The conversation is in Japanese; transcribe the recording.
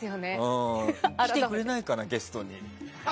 来てくれないかな、ゲストに。